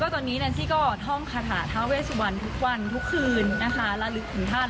ตอนนี้น้องที่ถ้องคาถาถาเวชวันทุกวันทุกคืนเล่าลึกของท่าน